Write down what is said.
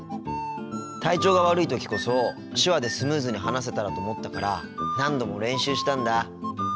体調が悪い時こそ手話でスムーズに話せたらと思ったから何度も練習したんだ。